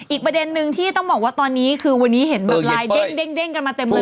อีกประเด็นนึงที่ต้องบอกว่าตอนนี้คือวันนี้เห็นแบบไลน์เด้งกันมาเต็มเลย